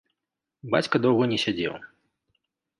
Бацька доўга не сядзеў.